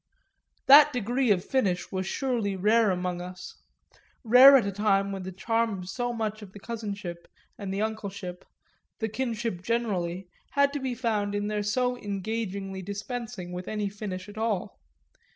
That degree of finish was surely rare among us rare at a time when the charm of so much of the cousinship and the uncleship, the kinship generally, had to be found in their so engagingly dispensing with any finish at all.